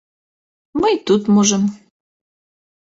Мы й тут можам.